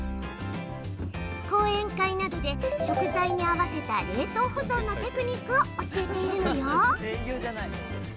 講演会などで、食材に合わせた冷凍保存のテクニックを教えているのよ。